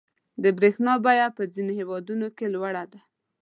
• د برېښنا بیه په ځینو هېوادونو کې لوړه ده.